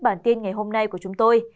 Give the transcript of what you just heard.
bản tin ngày hôm nay của chúng tôi